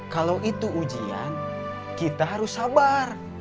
kalau itu ujian kita harus sabar